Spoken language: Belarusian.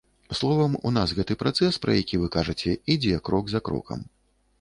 Словам, у нас гэты працэс, пра які вы кажаце, ідзе крок за крокам.